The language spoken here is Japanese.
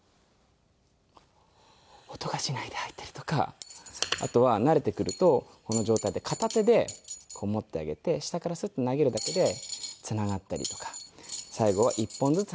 音がしないで入ったりとかあとは慣れてくるとこの状態で片手で持ってあげて下からスッと投げるだけでつながったりとか最後は１本ずつ外します。